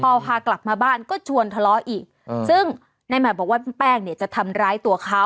พอพากลับมาบ้านก็ชวนทะเลาะอีกซึ่งในหมายบอกว่าแป้งเนี่ยจะทำร้ายตัวเขา